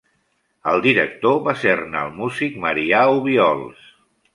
El director va ser-ne el músic Marià Obiols.